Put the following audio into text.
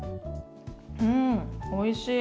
うんおいしい。